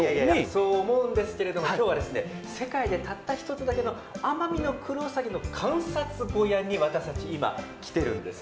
そう思うんですが今日は世界でたった１つだけのアマミノクロウサギの観察小屋に私たち、今来ているんです。